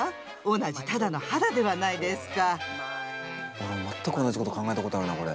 俺も全く同じこと考えたことあるなこれ。